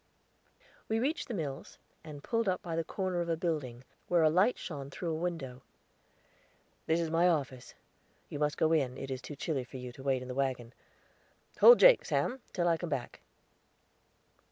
We reached the mills, and pulled up by the corner of a building, where a light shone through a window. "This is my office. You must go in it is too chilly for you to wait in the wagon. Hold Jake, Sam, till I come back."